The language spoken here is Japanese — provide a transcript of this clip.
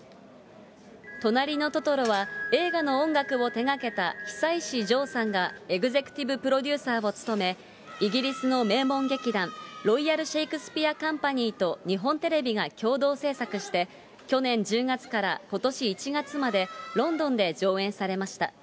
となりのトトロは、映画の音楽を手がけた久石譲さんがエグゼクティブプロデューサーを務め、イギリスの名門劇団、ロイヤル・シェイクスピア・カンパニーと日本テレビが共同制作して、去年１０月からことし１月まで、ロンドンで上演されました。